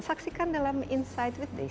saksikan dalam insight with desi angler kali ini